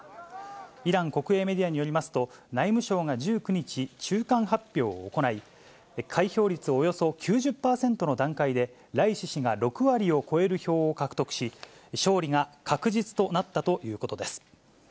イラン国営メディアによりますと、内務省が１９日、中間発表を行い、開票率およそ９０％の段階で、ライシ師が６割を超える票を獲得し、勝利が確実となったということです。